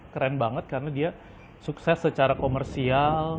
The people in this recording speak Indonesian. keren banget karena dia sukses secara komersial